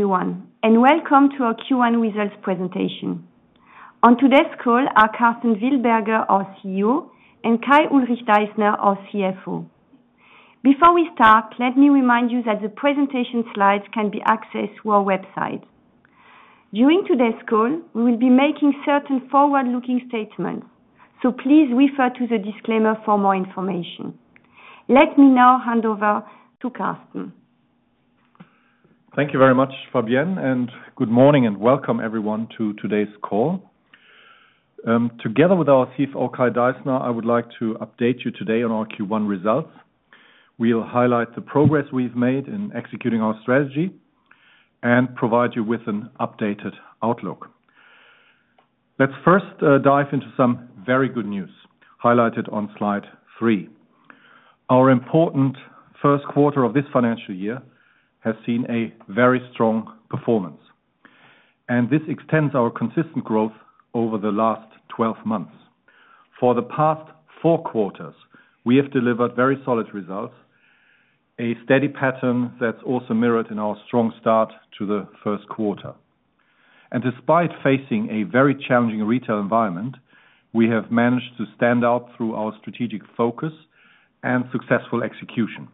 Everyone, and welcome to our Q1 results presentation. On today's call are Karsten Wildberger, our CEO, and Kai-Ulrich Deissner, our CFO. Before we start, let me remind you that the presentation slides can be accessed through our website. During today's call, we will be making certain forward-looking statements, so please refer to the disclaimer for more information. Let me now hand over to Karsten. Thank you very much, Fabienne, and good morning, and welcome everyone to today's call. Together with our CFO, Kai Deissner, I would like to update you today on our Q1 results. We'll highlight the progress we've made in executing our strategy and provide you with an updated outlook. Let's first dive into some very good news, highlighted on slide three. Our important first quarter of this financial year has seen a very strong performance, and this extends our consistent growth over the last 12 months. For the past four quarters, we have delivered very solid results, a steady pattern that's also mirrored in our strong start to the first quarter. Despite facing a very challenging retail environment, we have managed to stand out through our strategic focus and successful execution.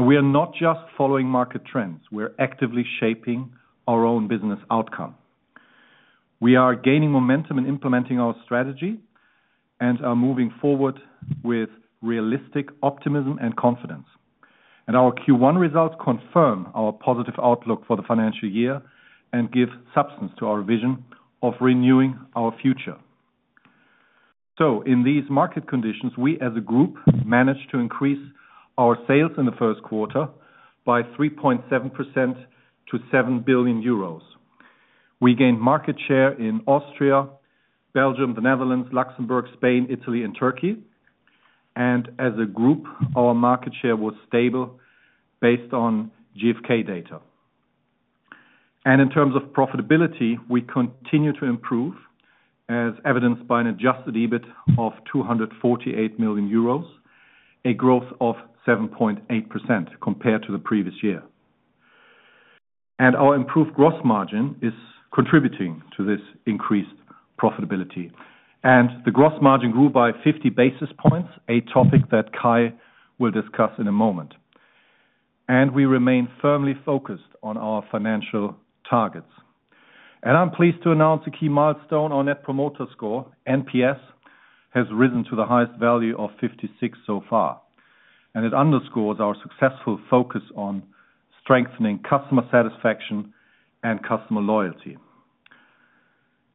We are not just following market trends, we're actively shaping our own business outcome. We are gaining momentum in implementing our strategy and are moving forward with realistic optimism and confidence. Our Q1 results confirm our positive outlook for the financial year and give substance to our vision of renewing our future. In these market conditions, we as a group, managed to increase our sales in the first quarter by 3.7% to 7 billion euros. We gained market share in Austria, Belgium, the Netherlands, Luxembourg, Spain, Italy, and Turkey, and as a group, our market share was stable based on GfK data. In terms of profitability, we continue to improve, as evidenced by an adjusted EBIT of 248 million euros, a growth of 7.8% compared to the previous year. Our improved gross margin is contributing to this increased profitability, and the gross margin grew by 50 basis points, a topic that Kai will discuss in a moment. We remain firmly focused on our financial targets. I'm pleased to announce a key milestone, our net promoter score, NPS, has risen to the highest value of 56 so far, and it underscores our successful focus on strengthening customer satisfaction and customer loyalty.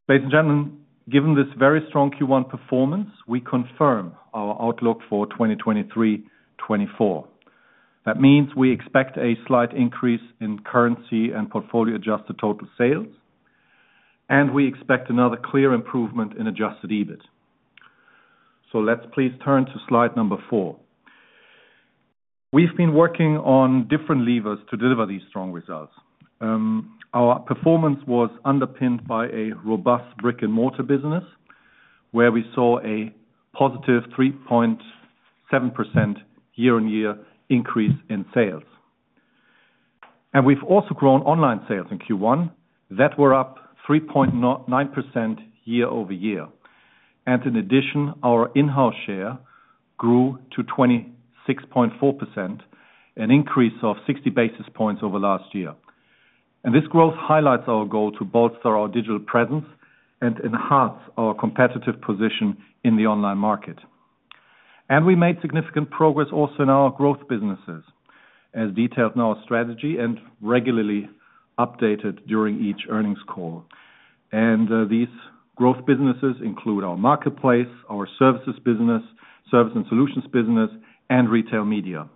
Ladies and gentlemen, given this very strong Q1 performance, we confirm our outlook for 2023-2024. That means we expect a slight increase in currency and portfolio-adjusted total sales, and we expect another clear improvement in adjusted EBIT. So let's please turn to slide number four. We've been working on different levers to deliver these strong results. Our performance was underpinned by a robust brick-and-mortar business, where we saw a positive 3.7% year-on-year increase in sales. We've also grown online sales in Q1 that were up 3.9% year-on-year. In addition, our in-house share grew to 26.4%, an increase of 60 basis points over last year. This growth highlights our goal to bolster our digital presence and enhance our competitive position in the online market. We made significant progress also in our growth businesses, as detailed in our strategy and regularly updated during each earnings call. These growth businesses include our marketplace, our services business, Service & Solutions business, and retail media.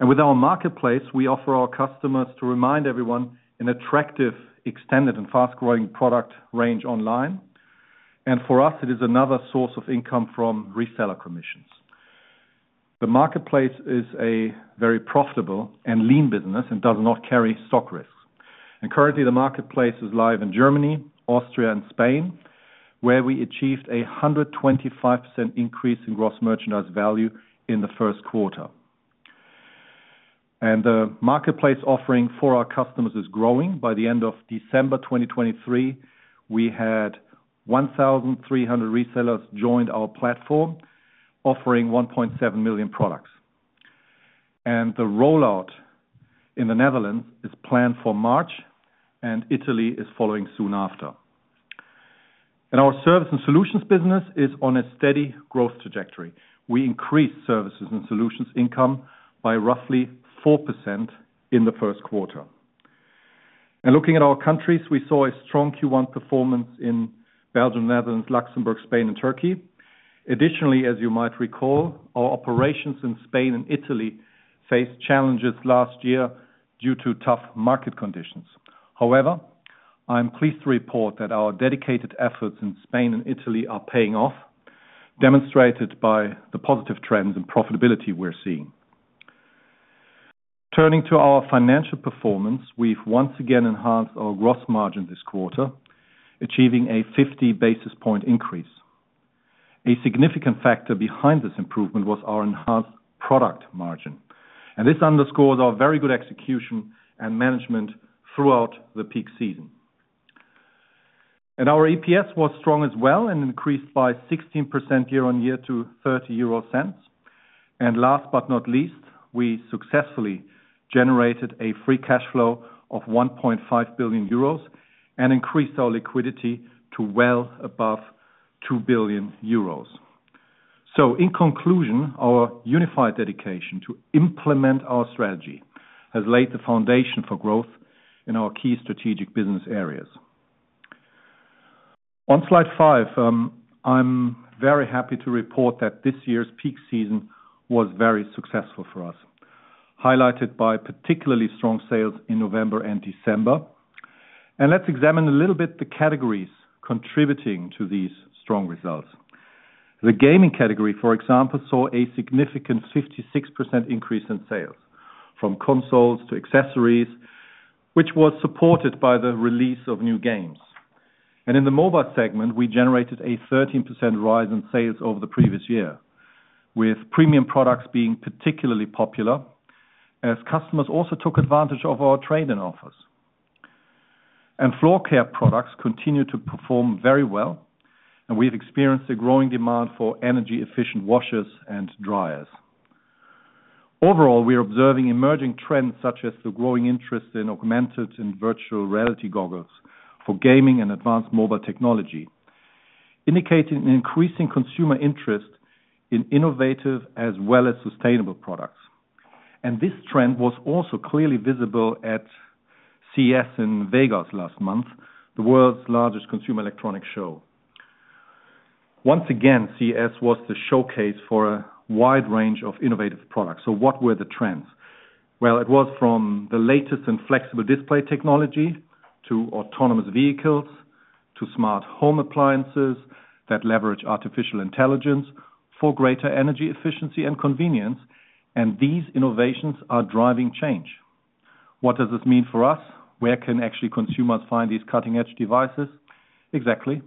With our marketplace, we offer our customers to remind everyone, an attractive, extended, and fast-growing product range online. For us, it is another source of income from reseller commissions. The marketplace is a very profitable and lean business and does not carry stock risk. Currently, the marketplace is live in Germany, Austria, and Spain, where we achieved a 125% increase in gross merchandise value in the first quarter. The marketplace offering for our customers is growing. By the end of December 2023, we had 1,300 resellers joined our platform, offering 1.7 million products. The rollout in the Netherlands is planned for March, and Italy is following soon after. Our Services & Solutions business is on a steady growth trajectory. We increased services and solutions income by roughly 4% in the first quarter. Looking at our countries, we saw a strong Q1 performance in Belgium, Netherlands, Luxembourg, Spain, and Turkey. Additionally, as you might recall, our operations in Spain and Italy faced challenges last year due to tough market conditions. However, I'm pleased to report that our dedicated efforts in Spain and Italy are paying off, demonstrated by the positive trends and profitability we're seeing. Turning to our financial performance, we've once again enhanced our gross margin this quarter, achieving a 50 basis point increase. A significant factor behind this improvement was our enhanced product margin, and this underscores our very good execution and management throughout the peak season. Our EPS was strong as well and increased by 16% year-on-year to €0.30. Last but not least, we successfully generated a free cash flow of 1.5 billion euros and increased our liquidity to well above 2 billion euros. So in conclusion, our unified dedication to implement our strategy has laid the foundation for growth in our key strategic business areas. On slide five, I'm very happy to report that this year's peak season was very successful for us, highlighted by particularly strong sales in November and December. Let's examine a little bit the categories contributing to these strong results. The gaming category, for example, saw a significant 56% increase in sales, from consoles to accessories, which was supported by the release of new games. In the mobile segment, we generated a 13% rise in sales over the previous year, with premium products being particularly popular as customers also took advantage of our trade-in offers. Floor care products continue to perform very well, and we've experienced a growing demand for energy-efficient washers and dryers. Overall, we are observing emerging trends, such as the growing interest in augmented and virtual reality goggles for gaming and advanced mobile technology, indicating an increasing consumer interest in innovative as well as sustainable products. This trend was also clearly visible at CES in Vegas last month, the world's largest consumer electronics show. Once again, CES was the showcase for a wide range of innovative products. What were the trends? Well, it was from the latest in flexible display technology to autonomous vehicles, to smart home appliances that leverage artificial intelligence for greater energy efficiency and convenience, and these innovations are driving change. What does this mean for us? Where can actually consumers find these cutting-edge devices? Exactly,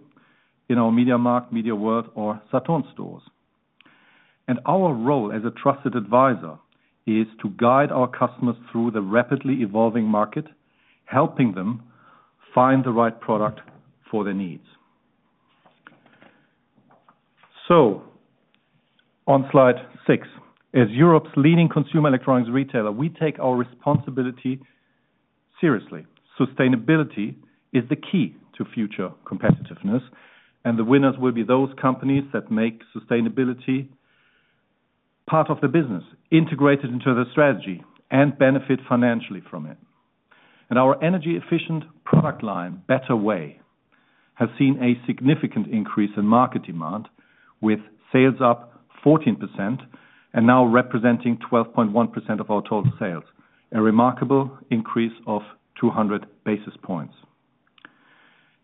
in our MediaMarkt, MediaWorld, or Saturn stores. Our role as a trusted advisor is to guide our customers through the rapidly evolving market, helping them find the right product for their needs. On Slide six, as Europe's leading consumer electronics retailer, we take our responsibility seriously. Sustainability is the key to future competitiveness, and the winners will be those companies that make sustainability part of the business, integrated into their strategy and benefit financially from it. Our energy-efficient product line, BetterWay, has seen a significant increase in market demand, with sales up 14% and now representing 12.1% of our total sales, a remarkable increase of 200 basis points.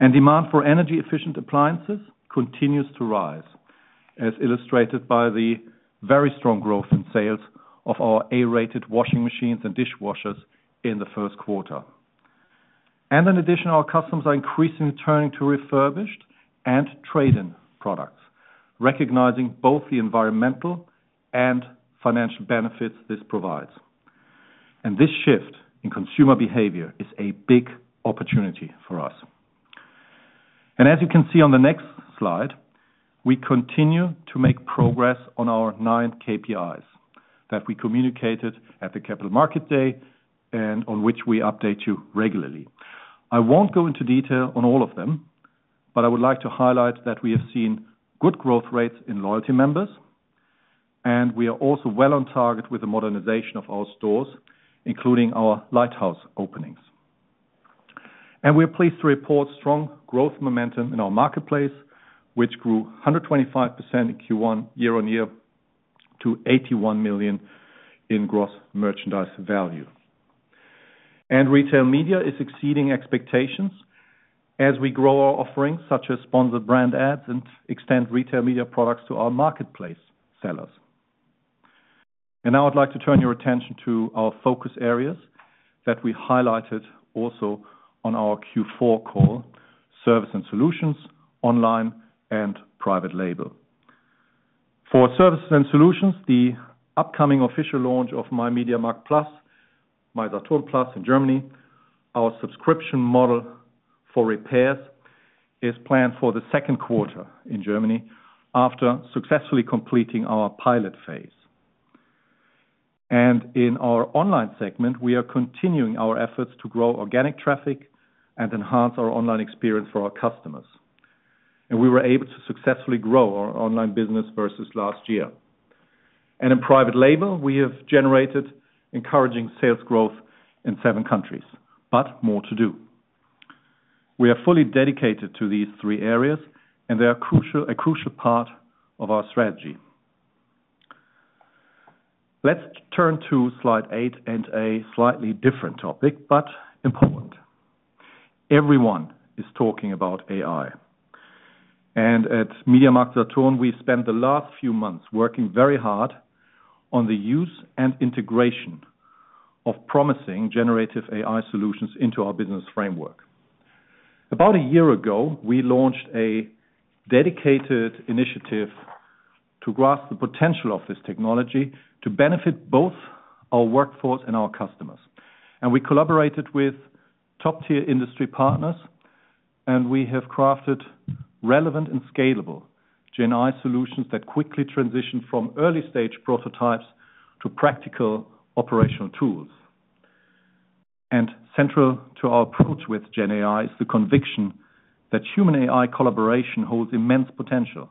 Demand for energy-efficient appliances continues to rise, as illustrated by the very strong growth in sales of our A-rated washing machines and dishwashers in the first quarter. In addition, our customers are increasingly turning to refurbished and trade-in products, recognizing both the environmental and financial benefits this provides. This shift in consumer behavior is a big opportunity for us. As you can see on the next slide, we continue to make progress on our 9 KPIs that we communicated at the Capital Markets Day and on which we update you regularly. I won't go into detail on all of them, but I would like to highlight that we have seen good growth rates in loyalty members, and we are also well on target with the modernization of our stores, including our lighthouse openings. We are pleased to report strong growth momentum in our marketplace, which grew 125% in Q1 year-on-year to 81 million in gross merchandise value. Retail media is exceeding expectations as we grow our offerings, such as sponsored brand ads, and extend retail media products to our marketplace sellers. Now I'd like to turn your attention to our focus areas that we highlighted also on our Q4 call: service and solutions, online, and private label. For services and solutions, the upcoming official launch of myMediaMarkt Plus, mySaturn Plus in Germany, our subscription model for repairs, is planned for the second quarter in Germany after successfully completing our pilot phase. In our online segment, we are continuing our efforts to grow organic traffic and enhance our online experience for our customers. We were able to successfully grow our online business versus last year. In private label, we have generated encouraging sales growth in seven countries, but more to do. We are fully dedicated to these three areas, and they are crucial, a crucial part of our strategy. Let's turn to slide eight and a slightly different topic, but important. Everyone is talking about AI, and at MediaMarktSaturn, we spent the last few months working very hard on the use and integration of promising generative AI solutions into our business framework. About a year ago, we launched a dedicated initiative to grasp the potential of this technology to benefit both our workforce and our customers. We collaborated with top-tier industry partners, and we have crafted relevant and scalable Gen AI solutions that quickly transition from early-stage prototypes to practical operational tools. Central to our approach with Gen AI is the conviction that human-AI collaboration holds immense potential,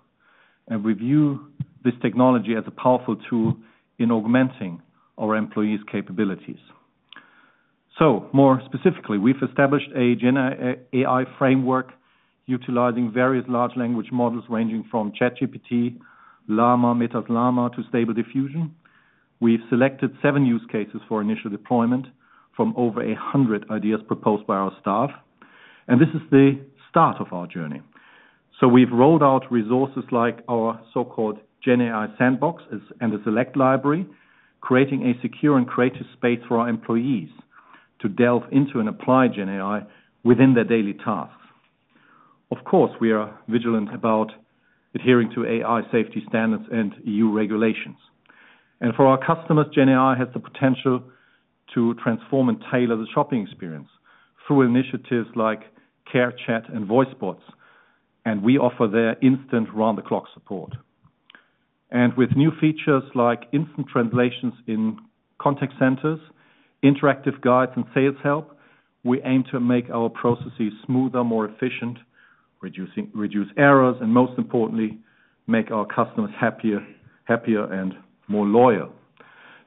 and we view this technology as a powerful tool in augmenting our employees' capabilities. So more specifically, we've established a Gen AI framework utilizing various large language models, ranging from ChatGPT, Llama, Meta's Llama, to Stable Diffusion. We've selected seven use cases for initial deployment from over 100 ideas proposed by our staff, and this is the start of our journey. So we've rolled out resources like our so-called Gen AI sandbox and a select library, creating a secure and creative space for our employees to delve into and apply Gen AI within their daily tasks. Of course, we are vigilant about adhering to AI safety standards and EU regulations. And for our customers, Gen AI has the potential to transform and tailor the shopping experience through initiatives like care chat and voice bots, and we offer there instant round-the-clock support. And with new features like instant translations in contact centers, interactive guides, and sales help, we aim to make our processes smoother, more efficient, reduce errors, and most importantly, make our customers happier, happier and more loyal.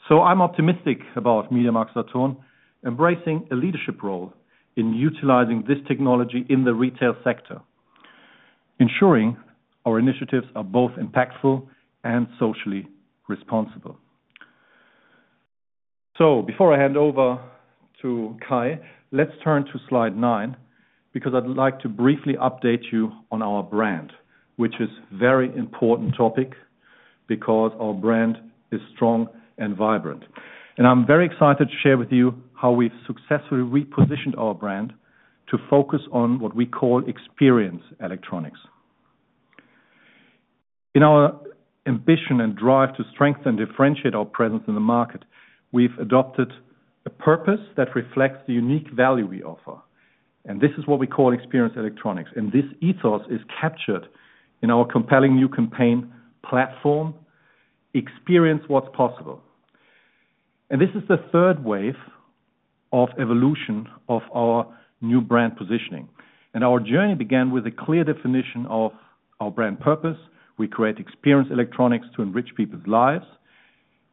So I'm optimistic about MediaMarktSaturn embracing a leadership role in utilizing this technology in the retail sector, ensuring our initiatives are both impactful and socially responsible. So before I hand over to Kai, let's turn to slide nine, because I'd like to briefly update you on our brand, which is very important topic, because our brand is strong and vibrant. And I'm very excited to share with you how we've successfully repositioned our brand to focus on what we call Experience Electronics. In our ambition and drive to strengthen and differentiate our presence in the market, we've adopted a purpose that reflects the unique value we offer, and this is what we call Experience Electronics. This ethos is captured in our compelling new campaign platform, Experience What's Possible. This is the third wave of evolution of our new brand positioning. Our journey began with a clear definition of our brand purpose. We create Experience Electronics to enrich people's lives,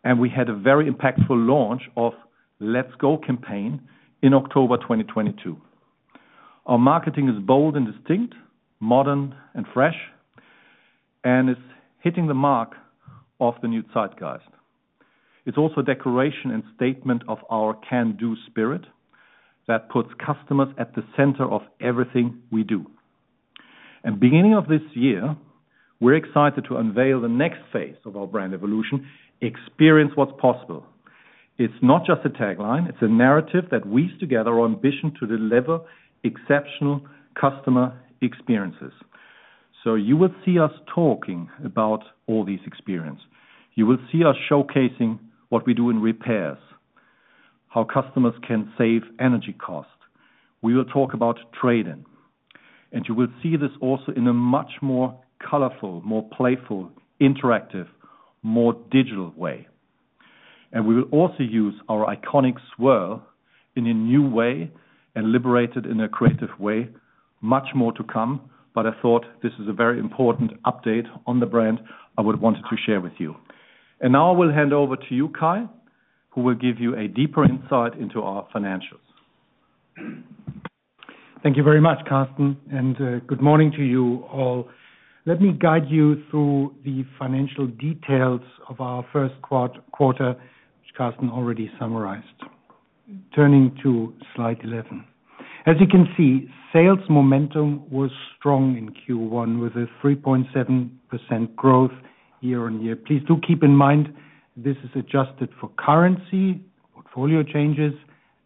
and we had a very impactful launch of Let's Go campaign in October 2022. Our marketing is bold and distinct, modern and fresh, and it's hitting the mark of the new zeitgeist. It's also a declaration and statement of our can-do spirit that puts customers at the center of everything we do. Beginning of this year, we're excited to unveil the next phase of our brand evolution, Experience What's Possible. It's not just a tagline, it's a narrative that weaves together our ambition to deliver exceptional customer experiences. So you will see us talking about all these experience. You will see us showcasing what we do in repairs, how customers can save energy costs. We will talk about trade-in, and you will see this also in a much more colorful, more playful, interactive, more digital way. We will also use our iconic swirl in a new way and liberate it in a creative way. Much more to come, but I thought this is a very important update on the brand I would've wanted to share with you. Now I will hand over to you, Kai, who will give you a deeper insight into our financials. Thank you very much, Karsten, and, good morning to you all. Let me guide you through the financial details of our first quarter, which Karsten already summarized. Turning to slide 11. As you can see, sales momentum was strong in Q1, with a 3.7% growth year-on-year. Please do keep in mind, this is adjusted for currency, portfolio changes,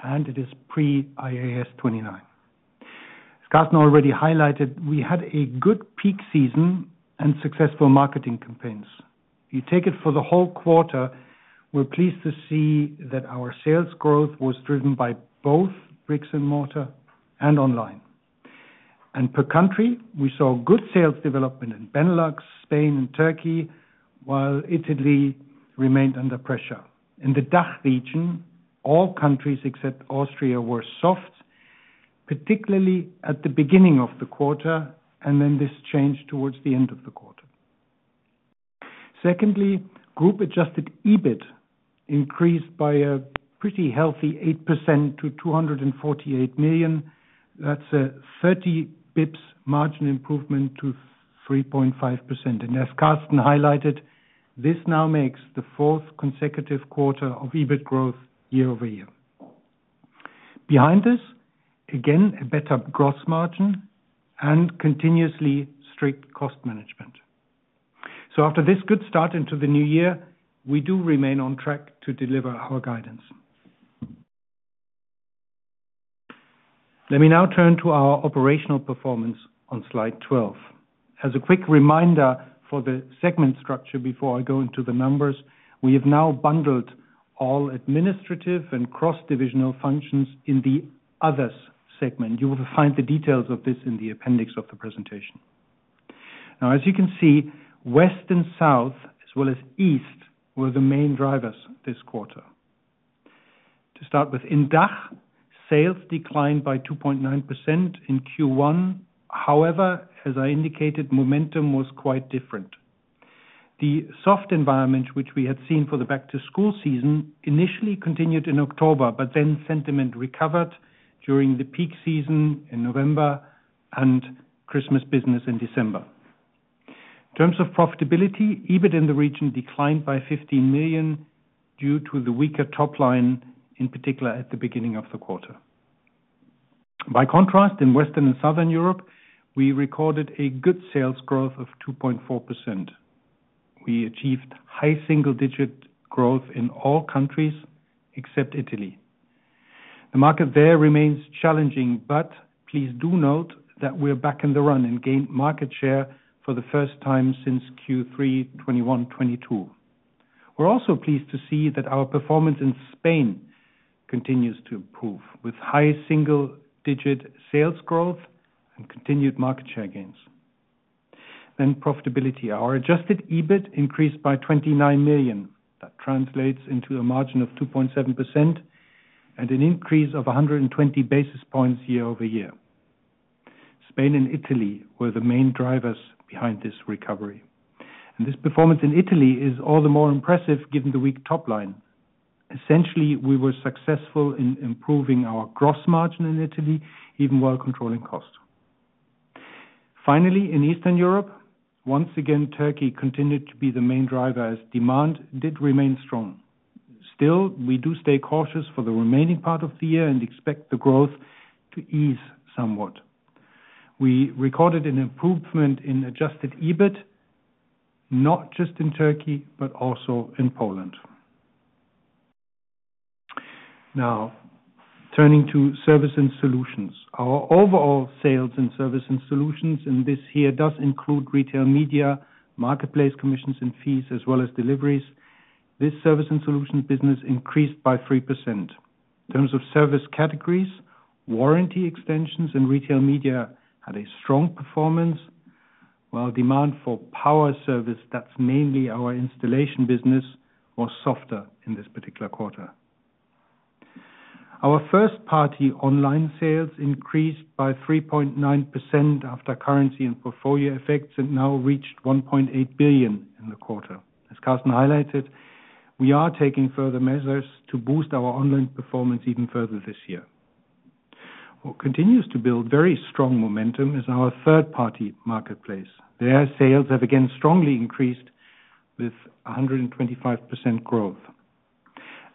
and it is pre-IAS 29. As Karsten already highlighted, we had a good peak season and successful marketing campaigns. You take it for the whole quarter, we're pleased to see that our sales growth was driven by both brick-and-mortar and online. Per country, we saw good sales development in Benelux, Spain, and Turkey, while Italy remained under pressure. In the DACH region, all countries except Austria were soft, particularly at the beginning of the quarter, and then this changed towards the end of the quarter. Secondly, group-adjusted EBIT increased by a pretty healthy 8% to 248 million. That's a 30 BPS margin improvement to 3.5%. As Karsten highlighted, this now makes the fourth consecutive quarter of EBIT growth year-over-year. Behind this, again, a better gross margin and continuously strict cost management. So after this good start into the new year, we do remain on track to deliver our guidance. Let me now turn to our operational performance on slide 12. As a quick reminder for the segment structure, before I go into the numbers, we have now bundled all administrative and cross-divisional functions in the Others segment. You will find the details of this in the appendix of the presentation. Now, as you can see, West and South, as well as East, were the main drivers this quarter. To start with, in DACH, sales declined by 2.9% in Q1. However, as I indicated, momentum was quite different. The soft environment, which we had seen for the back-to-school season, initially continued in October, but then sentiment recovered during the peak season in November and Christmas business in December. In terms of profitability, EBIT in the region declined by 15 million due to the weaker top line, in particular, at the beginning of the quarter. By contrast, in Western and Southern Europe, we recorded a good sales growth of 2.4%. We achieved high single-digit growth in all countries except Italy. The market there remains challenging, but please do note that we're back in the run and gained market share for the first time since Q3 2021, 2022. We're also pleased to see that our performance in Spain continues to improve, with high single-digit sales growth and continued market share gains. Then profitability. Our adjusted EBIT increased by 29 million. That translates into a margin of 2.7% and an increase of 120 basis points year-over-year. Spain and Italy were the main drivers behind this recovery, and this performance in Italy is all the more impressive given the weak top line. Essentially, we were successful in improving our gross margin in Italy, even while controlling costs. Finally, in Eastern Europe, once again, Turkey continued to be the main driver as demand did remain strong. Still, we do stay cautious for the remaining part of the year and expect the growth to ease somewhat. We recorded an improvement in adjusted EBIT, not just in Turkey, but also in Poland. Now, turning to service and solutions. Our overall sales and service and solutions, and this here does include retail media, marketplace commissions and fees, as well as deliveries. This service and solutions business increased by 3%. In terms of service categories, warranty extensions and retail media had a strong performance, while demand for Power Service, that's mainly our installation business, was softer in this particular quarter. Our first-party online sales increased by 3.9% after currency and portfolio effects, and now reached 1.8 billion in the quarter. As Karsten highlighted, we are taking further measures to boost our online performance even further this year. What continues to build very strong momentum is our third-party marketplace. Their sales have again strongly increased with 125% growth.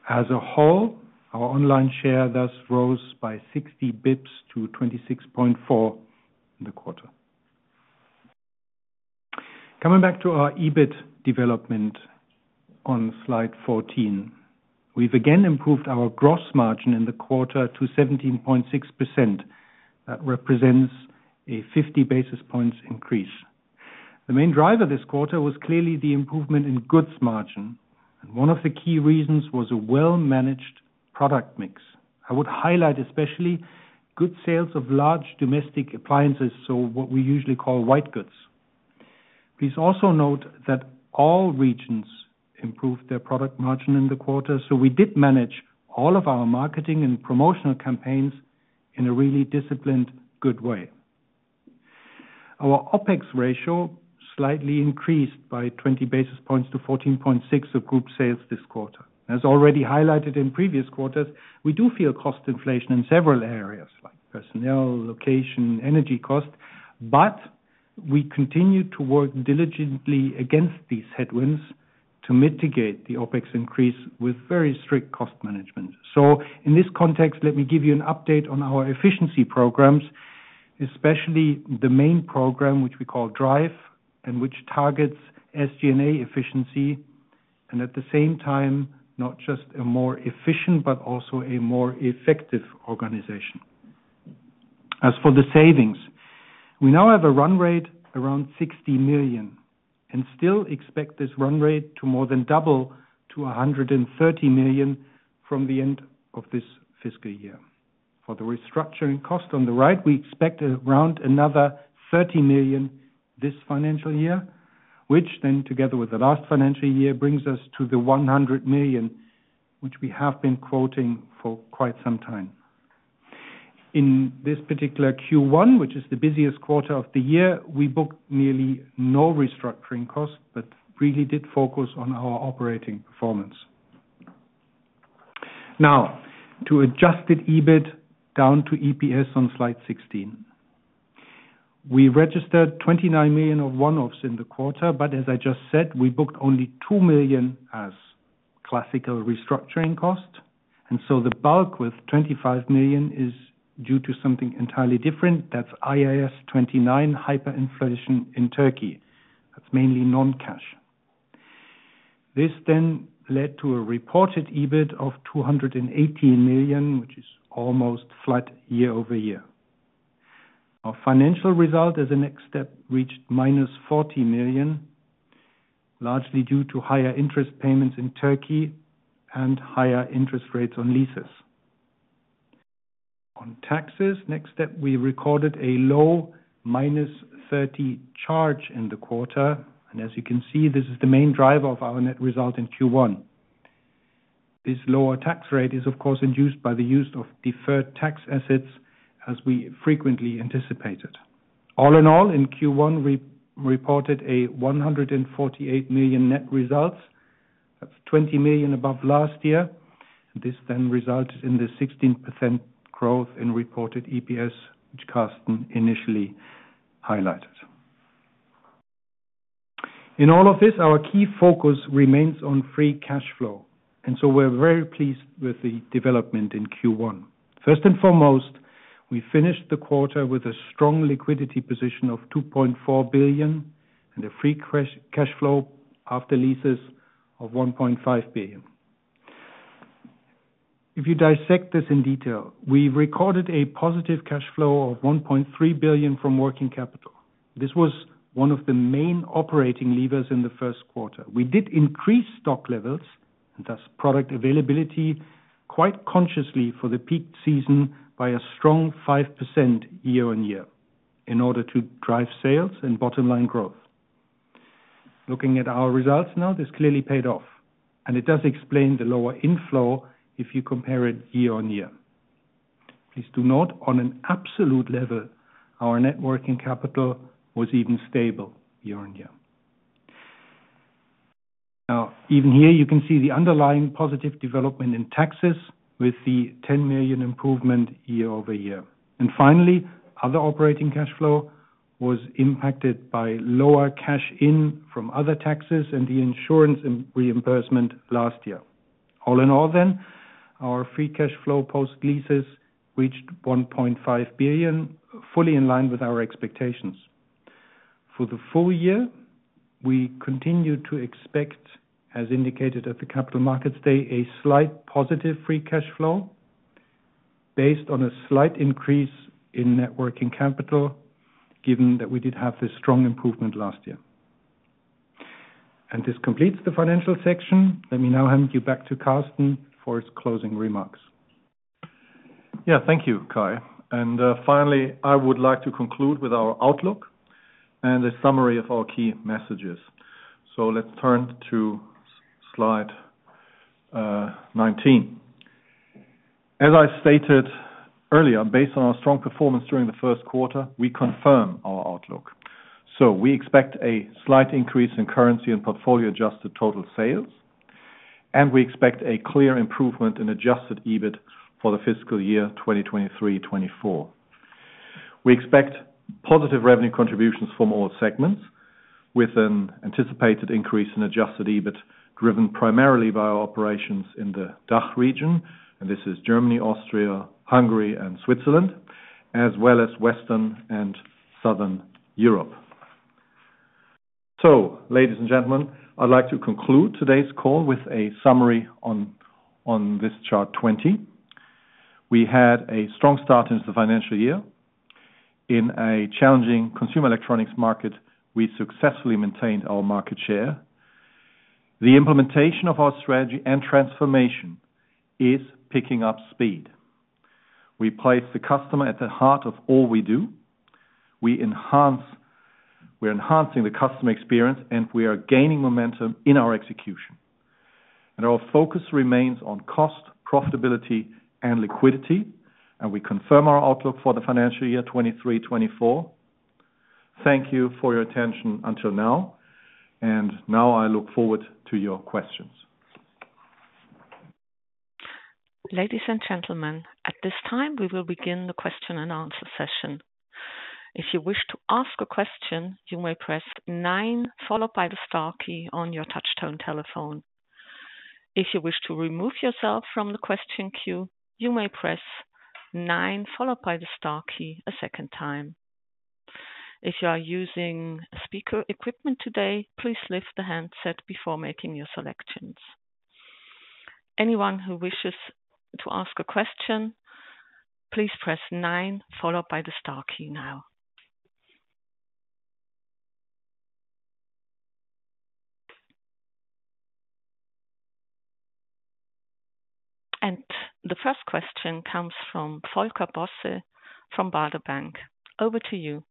As a whole, our online share thus rose by 60 basis points to 26.4 in the quarter. Coming back to our EBIT development on slide 14, we've again improved our gross margin in the quarter to 17.6%. That represents a 50 basis points increase. The main driver this quarter was clearly the improvement in goods margin, and one of the key reasons was a well-managed product mix. I would highlight especially good sales of large domestic appliances, so what we usually call white goods. Please also note that all regions improved their product margin in the quarter, so we did manage all of our marketing and promotional campaigns in a really disciplined, good way. Our OPEX ratio slightly increased by 20 basis points to 14.6% of group sales this quarter. As already highlighted in previous quarters, we do feel cost inflation in several areas like personnel, location, energy cost, but we continue to work diligently against these headwinds to mitigate the OPEX increase with very strict cost management. So in this context, let me give you an update on our efficiency programs, especially the main program, which we call Drive, and which targets SG&A efficiency, and at the same time, not just a more efficient, but also a more effective organization. As for the savings, we now have a run rate around 60 million and still expect this run rate to more than double to 130 million from the end of this fiscal year. For the restructuring cost on the right, we expect around another 30 million this financial year, which then, together with the last financial year, brings us to the 100 million, which we have been quoting for quite some time. In this particular Q1, which is the busiest quarter of the year, we booked nearly no restructuring costs, but really did focus on our operating performance. Now, to adjusted EBIT down to EPS on slide 16. We registered 29 million of one-offs in the quarter, but as I just said, we booked only 2 million as classical restructuring costs. And so the bulk, with 25 million, is due to something entirely different. That's IAS 29, hyperinflation in Turkey. That's mainly non-cash. This then led to a reported EBIT of 218 million, which is almost flat year-over-year. Our financial result, as a next step, reached -40 million, largely due to higher interest payments in Turkey and higher interest rates on leases. On taxes, next step, we recorded a low -30 million charge in the quarter, and as you can see, this is the main driver of our net result in Q1. This lower tax rate is, of course, induced by the use of deferred tax assets, as we frequently anticipated. All in all, in Q1, we reported a 148 million net results. That's 20 million above last year. This then resulted in the 16% growth in reported EPS, which Karsten initially highlighted. In all of this, our key focus remains on free cash flow, and so we're very pleased with the development in Q1. First and foremost, we finished the quarter with a strong liquidity position of 2.4 billion and a free cash, cash flow after leases of 1.5 billion. If you dissect this in detail, we recorded a positive cash flow of 1.3 billion from working capital. This was one of the main operating levers in the first quarter. We did increase stock levels, and thus product availability, quite consciously for the peak season by a strong 5% year-over-year in order to drive sales and bottom-line growth. Looking at our results now, this clearly paid off, and it does explain the lower inflow if you compare it year-over-year. Please do note, on an absolute level, our net working capital was even stable year-over-year. Now, even here, you can see the underlying positive development in taxes with the 10 million improvement year-over-year. And finally, other operating cash flow was impacted by lower cash in from other taxes and the insurance reimbursement last year. All in all then, our free cash flow post-leases reached 1.5 billion, fully in line with our expectations. For the full year, we continue to expect, as indicated at the Capital Markets Day, a slight positive free cash flow based on a slight increase in net working capital, given that we did have this strong improvement last year. This completes the financial section. Let me now hand you back to Karsten for his closing remarks. Yeah, thank you, Kai. And finally, I would like to conclude with our outlook and a summary of our key messages. So let's turn to slide 19. As I stated earlier, based on our strong performance during the first quarter, we confirm our outlook. So we expect a slight increase in currency and portfolio-adjusted total sales, and we expect a clear improvement in adjusted EBIT for the fiscal year 2023/24. We expect positive revenue contributions from all segments, with an anticipated increase in adjusted EBIT, driven primarily by our operations in the DACH region, and this is Germany, Austria, Hungary, and Switzerland, as well as Western and Southern Europe. So ladies and gentlemen, I'd like to conclude today's call with a summary on this chart 20. We had a strong start into the financial year. In a challenging consumer electronics market, we successfully maintained our market share. The implementation of our strategy and transformation is picking up speed. We place the customer at the heart of all we do. We're enhancing the customer experience, and we are gaining momentum in our execution. Our focus remains on cost, profitability, and liquidity, and we confirm our outlook for the financial year 2023-2024. Thank you for your attention until now, and now I look forward to your questions. Ladies and gentlemen, at this time, we will begin the question-and-answer session. If you wish to ask a question, you may press nine, followed by the star key on your touchtone telephone. If you wish to remove yourself from the question queue, you may press nine, followed by the star key a second time. If you are using speaker equipment today, please lift the handset before making your selections. Anyone who wishes to ask a question, please press nine, followed by the star key now. The first question comes from Volker Bosse, from Baader Bank. Over to you.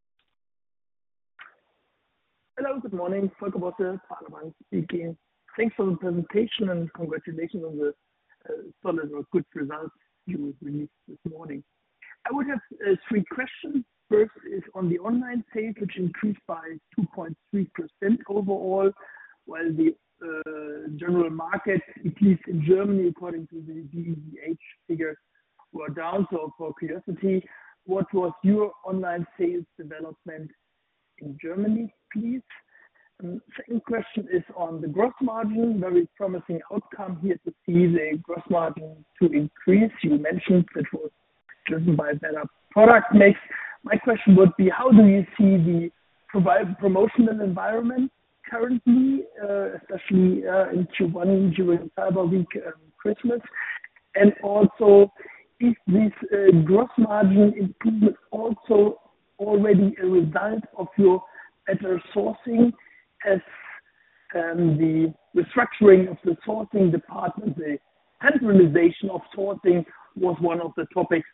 Hello, good morning. Volker Bosse, Baader Bank, speaking. Thanks for the presentation and congratulations on the solid or good results you released this morning. I would have three questions. First is on the online sales, which increased by 2.3% overall, well the general market, at least in Germany, according to the bevh figures, were down. So for curiosity, what was your online sales development in Germany, please? Second question is on the growth margin, very promising outcome here to see the growth margin to increase. You mentioned that was driven by a better product mix. My question would be, how do you see the provide, promotional environment currently, especially, into one during Cyber Week and Christmas? Also, is this growth margin improvement also already a result of your better sourcing, as the restructuring of the sourcing department, the centralization of sourcing was one of the topics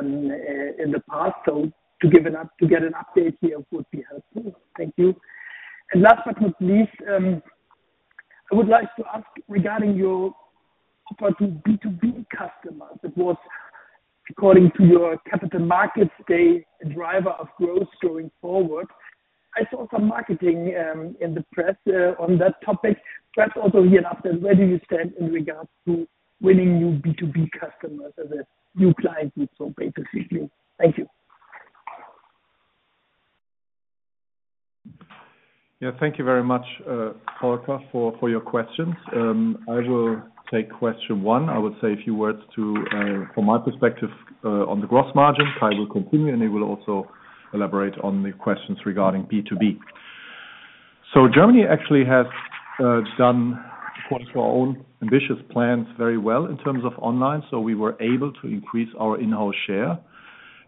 in the past, so to get an update here would be helpful. Thank you. Last but not least, I would like to ask regarding your opportunity, B2B customers. It was according to your Capital Markets Day driver of growth going forward. I saw some marketing in the press on that topic. That's also hereafter, where do you stand in regards to winning new B2B customers as a new client group, so basically. Thank you. Yeah, thank you very much, Volker, for your questions. I will take question one. I would say a few words from my perspective on the gross margin. Kai will continue, and he will also elaborate on the questions regarding B2B. So Germany actually has done, of course, our own ambitious plans very well in terms of online. So we were able to increase our in-house share,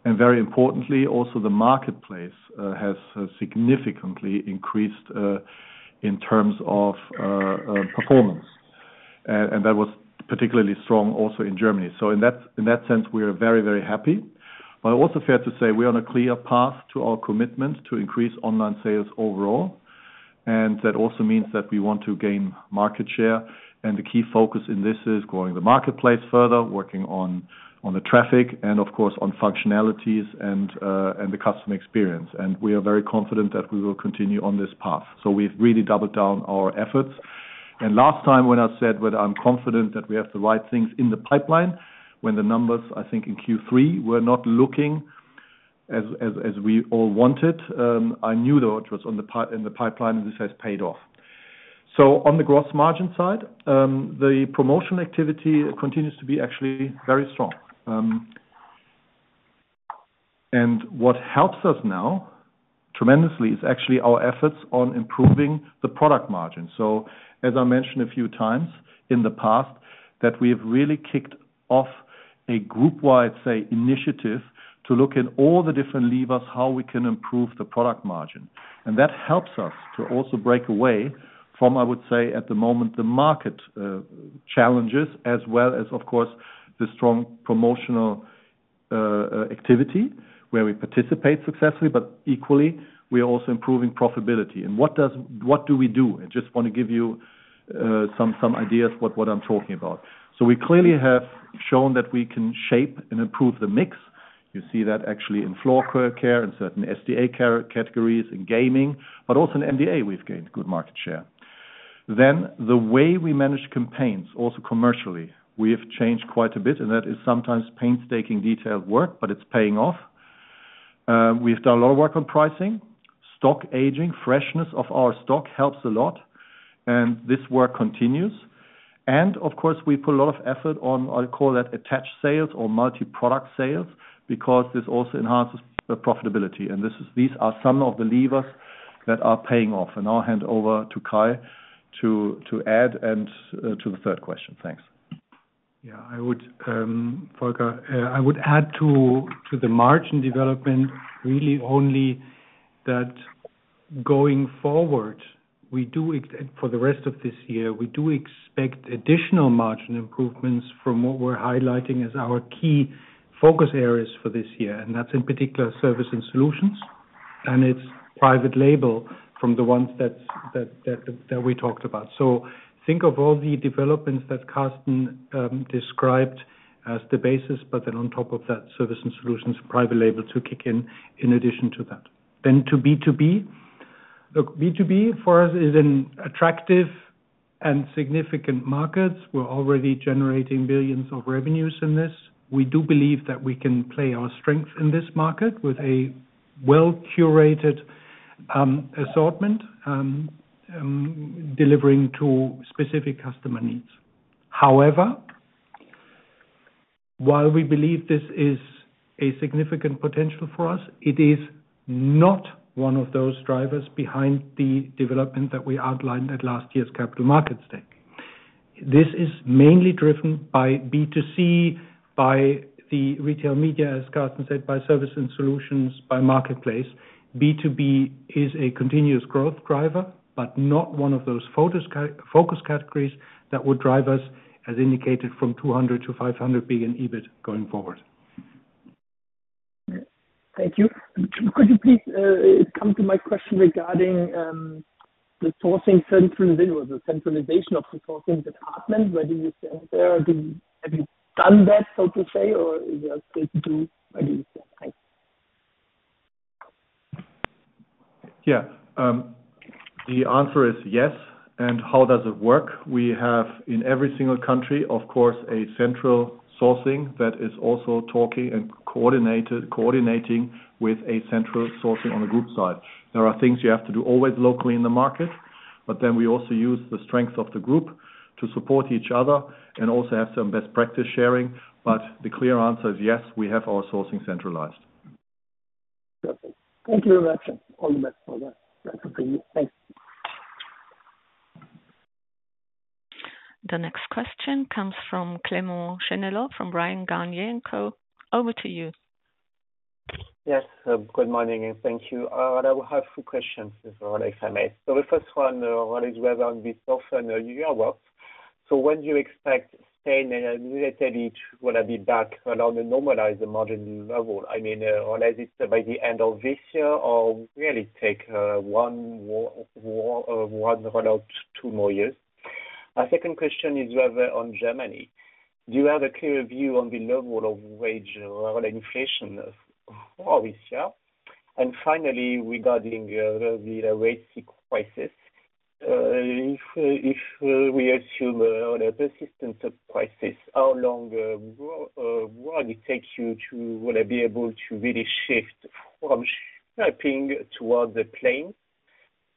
and very importantly, also the marketplace has significantly increased in terms of performance and that was particularly strong also in Germany. So in that sense, we are very, very happy. But also fair to say, we're on a clear path to our commitment to increase online sales overall, and that also means that we want to gain market share. The key focus in this is growing the marketplace further, working on the traffic, and of course, on functionalities and the customer experience. We are very confident that we will continue on this path. So we've really doubled down our efforts. Last time when I said whether I'm confident that we have the right things in the pipeline, when the numbers, I think in Q3, were not looking as we all wanted, I knew, though, it was in the pipeline, and this has paid off. So on the gross margin side, the promotion activity continues to be actually very strong. And what helps us now tremendously is actually our efforts on improving the product margin. So as I mentioned a few times in the past, that we have really kicked off a group-wide, say, initiative, to look at all the different levers, how we can improve the product margin. And that helps us to also break away from, I would say, at the moment, the market challenges, as well as, of course, the strong promotional activity, where we participate successfully, but equally, we are also improving profitability. And what do we do? I just want to give you some ideas what I'm talking about. So we clearly have shown that we can shape and improve the mix. You see that actually in floor care, in certain SDA care categories, in gaming, but also in MDA, we've gained good market share. Then the way we manage campaigns, also commercially, we have changed quite a bit, and that is sometimes painstaking detailed work, but it's paying off. We've done a lot of work on pricing, stock aging, freshness of our stock helps a lot, and this work continues. And of course, we put a lot of effort on, I'll call that, attached sales or multi-product sales, because this also enhances the profitability. And this is, these are some of the levers that are paying off. And I'll hand over to Kai to, to add, and, to the third question. Thanks. Yeah, I would, Volker, I would add to the margin development, really only that going forward, we do expect for the rest of this year, we do expect additional margin improvements from what we're highlighting as our key focus areas for this year, and that's in particular, service and solutions, and it's private label from the ones that we talked about. So think of all the developments that Karsten described as the basis, but then on top of that, service and solutions, private label to kick in, in addition to that. Then to B2B. Look, B2B for us is an attractive and significant market. We're already generating billions of revenues in this. We do believe that we can play our strength in this market with a well-curated assortment, delivering to specific customer needs. However, while we believe this is a significant potential for us, it is not one of those drivers behind the development that we outlined at last year's Capital Markets Day. This is mainly driven by B2C, by the retail media, as Carsten said, by service and solutions, by marketplace. B2B is a continuous growth driver, but not one of those focus categories that would drive us, as indicated, from 200 billion-500 billion EBIT going forward. Thank you. Could you please come to my question regarding the sourcing centralization, the centralization of the sourcing department? Whether you stand there, have you done that, so to say, or you are still to do? Where do you stand? Thank you. Yeah, the answer is yes. And how does it work? We have in every single country, of course, a central sourcing that is also talking and coordinated, coordinating with a central sourcing on the group side. There are things you have to do always locally in the market, but then we also use the strength of the group to support each other and also have some best practice sharing. But the clear answer is yes, we have our sourcing centralized. Perfect. Thank you very much, and all the best for that. Thank you. Thanks. The next question comes from Clément Genelot from Bryan Garnier & Co. Over to you. Yes, good morning, and thank you. I will have two questions for Rolex, if I may. The first one, relates, whether on this software and your works, when do you expect stabilizing and relatedly, will EBIT be back on the normalized margin level? I mean, or is it by the end of this year, or will it take one or two more years? My second question is whether on Germany, do you have a clear view on the level of wage or inflation of this year? Finally, regarding the Red Sea crisis, if we assume the persistence of crisis, how long will it take you to be able to really shift from shipping towards the plane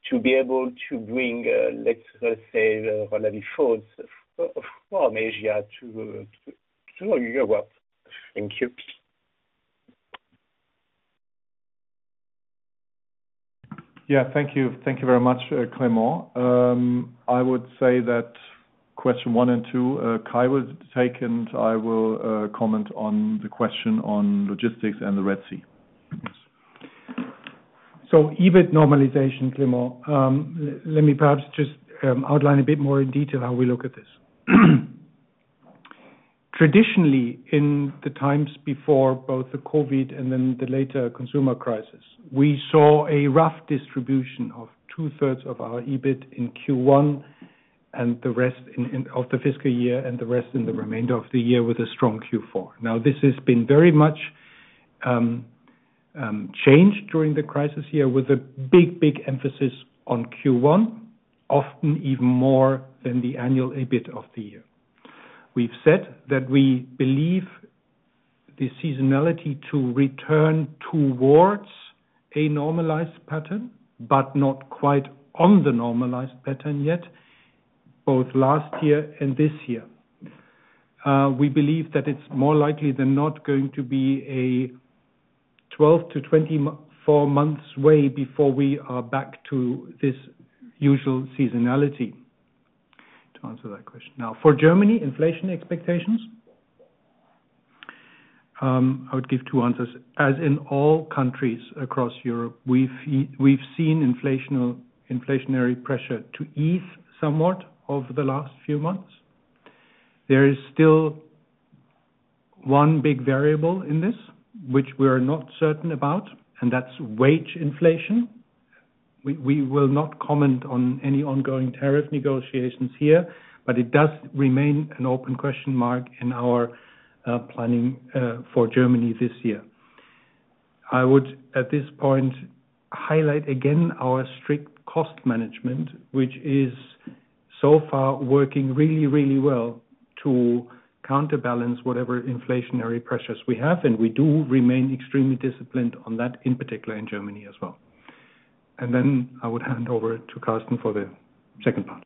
to be able to bring, let's say, mobile phones from Asia to Europe? Thank you. Yeah. Thank you. Thank you very much, Clément. I would say that question one and two, Kai will take, and I will comment on the question on logistics and the Red Sea. So EBIT normalization, Clément. Let me perhaps just outline a bit more in detail how we look at this. Traditionally, in the times before both the COVID and then the later consumer crisis, we saw a rough distribution of two-thirds of our EBIT in Q1 and the rest in the fiscal year and the rest in the remainder of the year with a strong Q4. Now, this has been very much changed during the crisis year with a big, big emphasis on Q1, often even more than the annual EBIT of the year. We've said that we believe the seasonality to return towards a normalized pattern, but not quite on the normalized pattern yet, both last year and this year. We believe that it's more likely than not going to be a 12-24 month way before we are back to this usual seasonality, to answer that question. Now, for Germany inflation expectations, I would give two answers. As in all countries across Europe, we've seen inflationary pressure to ease somewhat over the last few months. There is still one big variable in this, which we are not certain about, and that's wage inflation. We will not comment on any ongoing tariff negotiations here, but it does remain an open question mark in our planning for Germany this year. I would, at this point, highlight again our strict cost management, which is so far working really, really well to counterbalance whatever inflationary pressures we have, and we do remain extremely disciplined on that, in particular, in Germany as well. I would hand over to Karsten for the second part.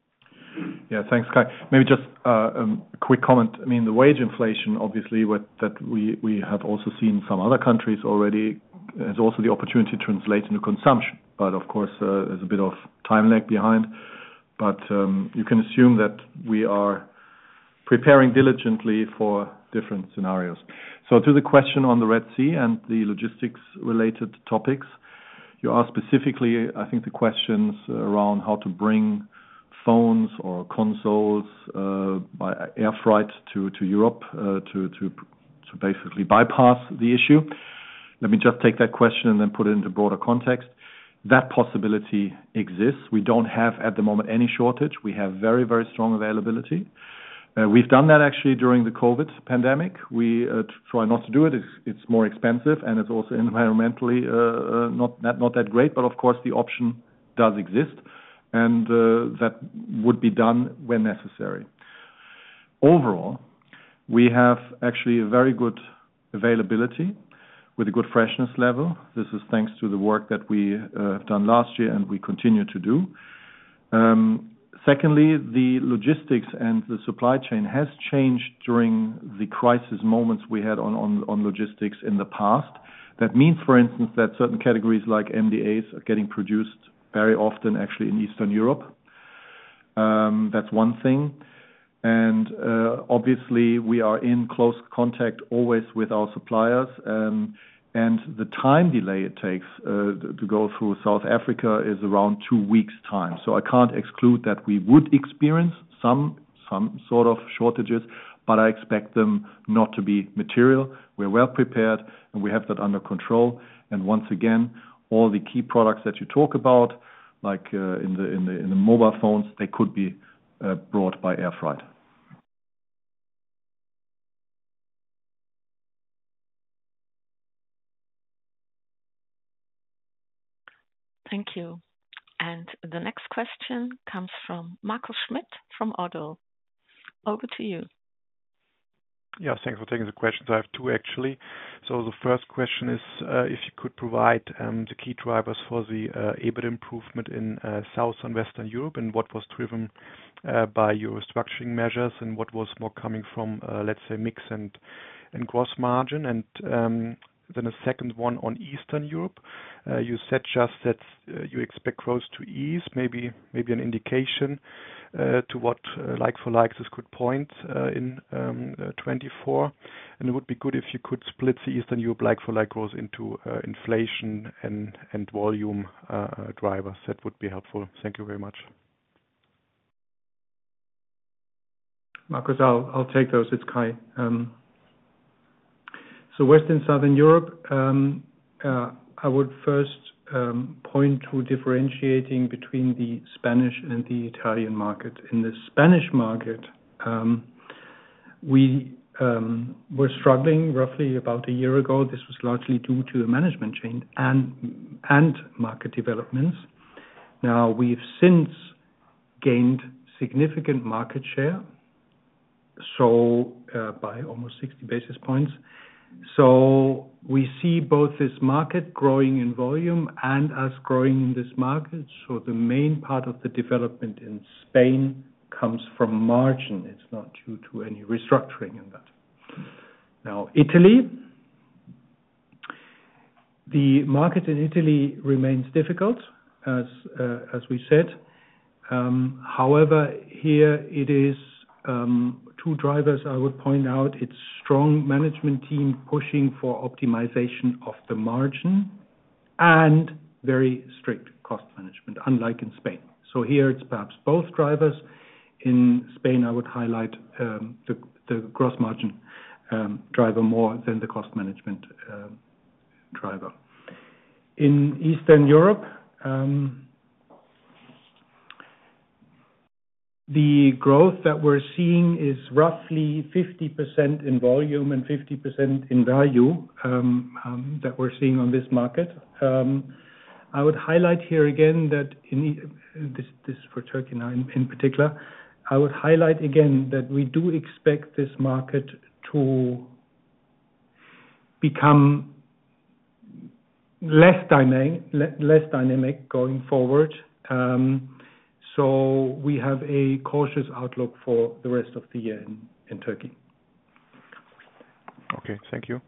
Yeah, thanks, Kai. Maybe just a quick comment. I mean, the wage inflation, obviously, that we have also seen some other countries already, is also the opportunity to translate into consumption. But of course, there's a bit of time lag behind. But you can assume that we are preparing diligently for different scenarios. So to the question on the Red Sea and the logistics-related topics, you ask specifically, I think the questions around how to bring phones or consoles by air freight to Europe to basically bypass the issue. Let me just take that question and then put it into broader context. That possibility exists. We don't have, at the moment, any shortage. We have very, very strong availability. We've done that actually during the COVID pandemic. We try not to do it. It's, it's more expensive, and it's also environmentally, not that, not that great. But of course, the option does exist, and, that would be done when necessary. Overall, we have actually a very good availability with a good freshness level. This is thanks to the work that we, have done last year, and we continue to do. Secondly, the logistics and the supply chain has changed during the crisis moments we had on logistics in the past. That means, for instance, that certain categories like MDAs are getting produced very often, actually, in Eastern Europe. That's one thing. And, obviously, we are in close contact always with our suppliers. And the time delay it takes, to go through South Africa is around two weeks' time. So I can't exclude that we would experience some sort of shortages, but I expect them not to be material. We're well prepared, and we have that under control. And once again, all the key products that you talk about, like, in the mobile phones, they could be brought by air freight. Thank you. The next question comes from Marco Schmidt, from ODDO. Over to you. Yeah, thanks for taking the questions. I have two, actually. So the first question is, if you could provide, the key drivers for the, EBIT improvement in, South and Western Europe, and what was driven, by your structuring measures, and what was more coming from, let's say, mix and, and gross margin? And, then a second one on Eastern Europe. You said just that, you expect growth to ease, maybe, maybe an indication, to what like-for-likes could point, in, 2024. And it would be good if you could split the Eastern Europe like-for-like growth into, inflation and, and volume, drivers. That would be helpful. Thank you very much. Marcus, I'll take those. It's Kai. So Western Southern Europe, I would first point to differentiating between the Spanish and the Italian market. In the Spanish market, we were struggling roughly about a year ago. This was largely due to a management change and market developments. Now, we've since gained significant market share, so by almost 60 basis points. So we see both this market growing in volume and us growing in this market. So the main part of the development in Spain comes from margin. It's not due to any restructuring in that. Now, Italy. The market in Italy remains difficult, as we said. However, here it is two drivers I would point out, it's strong management team pushing for optimization of the margin and very strict cost management, unlike in Spain. So here it's perhaps both drivers. In Spain, I would highlight the gross margin driver more than the cost management driver. In Eastern Europe, the growth that we're seeing is roughly 50% in volume and 50% in value that we're seeing on this market. I would highlight here again that this is for Turkey now, in particular, I would highlight again that we do expect this market to become less dynamic going forward. So we have a cautious outlook for the rest of the year in Turkey. Okay, thank you.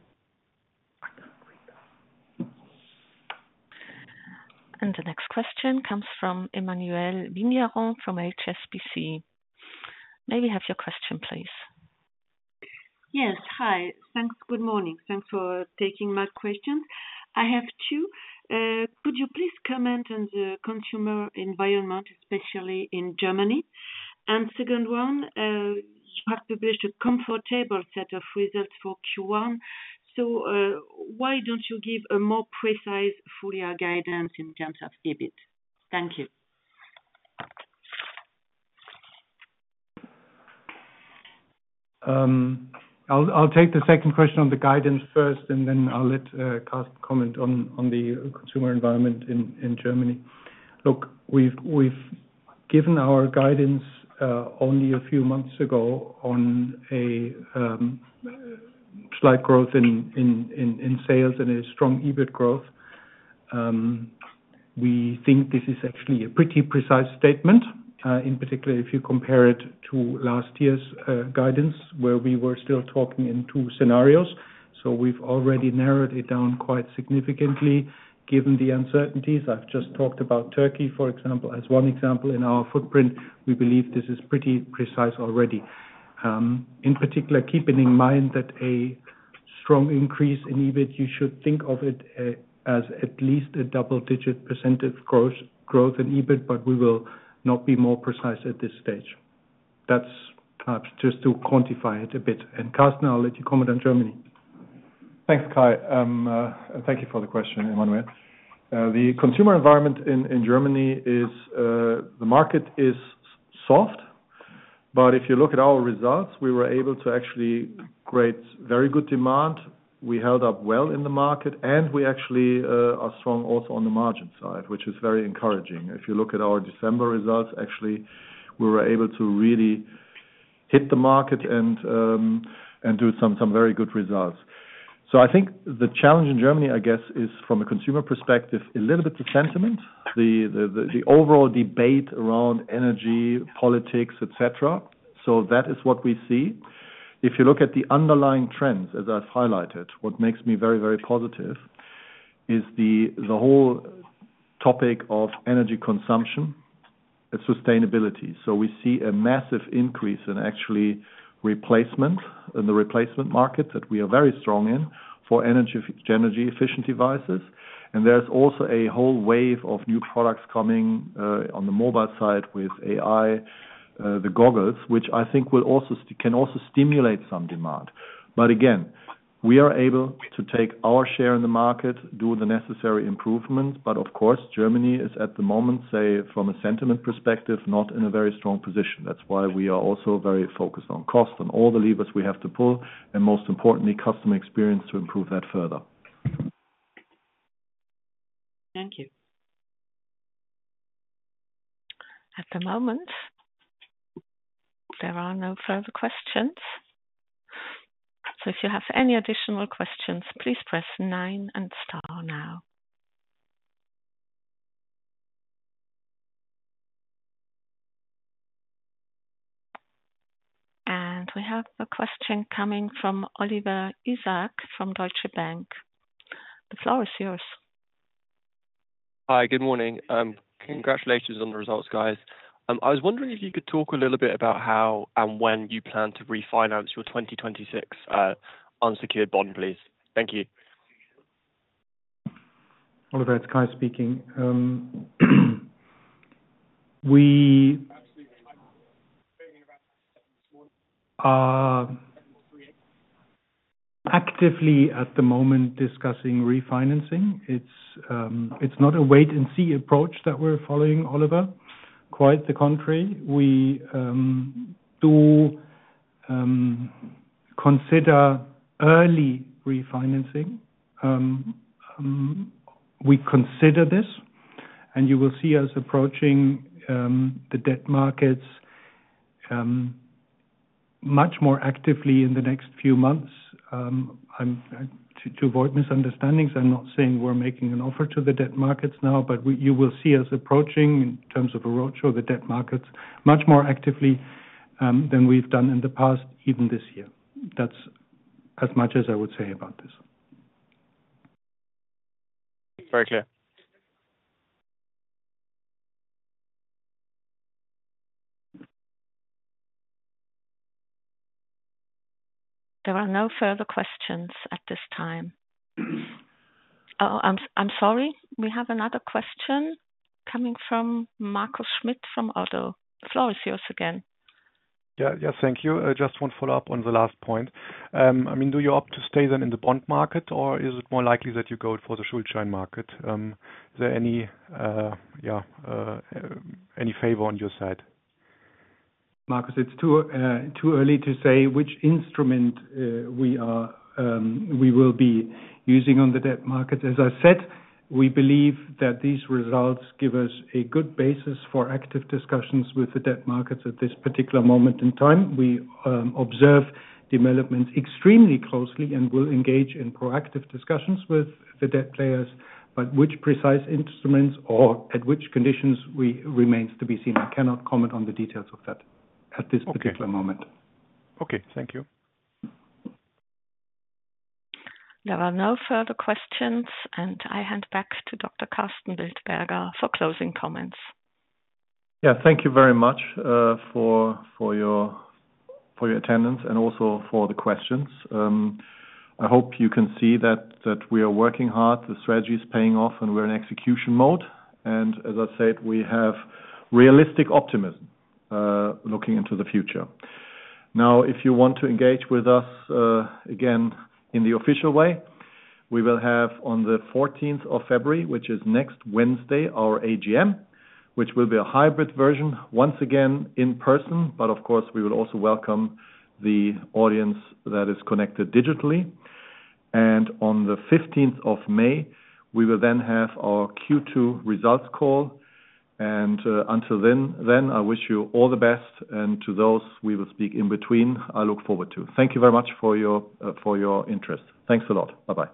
The next question comes from Emmanuelle Vigneron, from HSBC. May we have your question, please? Yes. Hi. Thanks. Good morning. Thanks for taking my questions. I have two. Could you please comment on the consumer environment, especially in Germany? And second one, you have published a comfortable set of results for Q1, so, why don't you give a more precise full-year guidance in terms of EBIT? Thank you. I'll take the second question on the guidance first, and then I'll let Karsten comment on the consumer environment in Germany. Look, we've given our guidance only a few months ago on a slight growth in sales and a strong EBIT growth. We think this is actually a pretty precise statement, in particular, if you compare it to last year's guidance, where we were still talking in two scenarios. So we've already narrowed it down quite significantly given the uncertainties. I've just talked about Turkey, for example, as one example, in our footprint, we believe this is pretty precise already. In particular, keeping in mind that a strong increase in EBIT, you should think of it as at least a double-digit percentage growth, growth in EBIT, but we will not be more precise at this stage. That's perhaps just to quantify it a bit, and Karsten, I'll let you comment on Germany. Thanks, Kai. And thank you for the question, Emmanuel. The consumer environment in Germany is. The market is soft, but if you look at our results, we were able to actually create very good demand. We held up well in the market, and we actually are strong also on the margin side, which is very encouraging. If you look at our December results, actually, we were able to really hit the market and do some very good results. So I think the challenge in Germany, I guess, is from a consumer perspective, a little bit of sentiment, the overall debate around energy, politics, et cetera. So that is what we see. If you look at the underlying trends, as I've highlighted, what makes me very, very positive is the whole topic of energy consumption and sustainability. So we see a massive increase in actually replacement, in the replacement market, that we are very strong in, for energy, energy efficient devices. And there's also a whole wave of new products coming on the mobile side with AI, the goggles, which I think will also can also stimulate some demand. But again we are able to take our share in the market, do the necessary improvements, but of course, Germany is at the moment, say, from a sentiment perspective, not in a very strong position. That's why we are also very focused on cost and all the levers we have to pull, and most importantly, customer experience, to improve that further. Thank you. At the moment, there are no further questions. If you have any additional questions, please press nine and star now. We have a question coming from Oliver Isaac from Deutsche Bank. The floor is yours. Hi, good morning. Congratulations on the results, guys. I was wondering if you could talk a little bit about how and when you plan to refinance your 2026 unsecured bond, please? Thank you. Oliver, it's Kai speaking. We are actively at the moment discussing refinancing. It's, it's not a wait and see approach that we're following, Oliver. Quite the contrary. We, do, consider early refinancing. We consider this, and you will see us approaching the debt markets much more actively in the next few months. I'm to avoid misunderstandings, I'm not saying we're making an offer to the debt markets now, but we, you will see us approaching, in terms of approach, over the debt markets, much more actively than we've done in the past, even this year. That's as much as I would say about this. Very clear. There are no further questions at this time. Oh, I'm sorry. We have another question coming from Marco Schmidt, from ODDO. The floor is yours again. Yeah. Yeah, thank you. Just one follow-up on the last point. I mean, do you opt to stay then in the bond market, or is it more likely that you go for the Schuldschein market? Is there any favor on your side? Marcus, it's too early to say which instrument we will be using on the debt market. As I said, we believe that these results give us a good basis for active discussions with the debt markets at this particular moment in time. We observe developments extremely closely and will engage in proactive discussions with the debt players, but which precise instruments or at which conditions remains to be seen. I cannot comment on the details of that at this particular moment. Okay. Thank you. There are no further questions, and I hand back to Dr. Karsten Wildberger for closing comments. Yeah. Thank you very much for your attendance and also for the questions. I hope you can see that we are working hard, the strategy is paying off, and we're in execution mode. And as I said, we have realistic optimism looking into the future. Now, if you want to engage with us again, in the official way, we will have on the fourteenth of February, which is next Wednesday, our AGM, which will be a hybrid version, once again in person. But of course, we will also welcome the audience that is connected digitally. And on the 15th May, we will then have our Q2 results call, and until then, I wish you all the best, and to those we will speak in between, I look forward to. Thank you very much for your interest. Thanks a lot. Bye-bye.